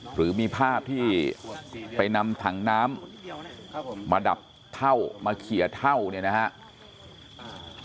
หรือมีภาพที่ไปนำถังน้ำมาดับเท่ามาเขียเท่าเนี่ยนะครับ